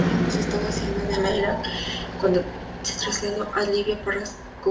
Estaba asignada en Iraq cuando se trasladó a Libia para cubrir la guerra civil.